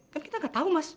kan kita nggak tahu mas